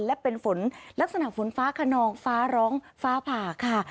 และเป็นฝนลักษณะฝนฟ้าขนองฟ้าร้องฟ้าผ่าค่ะ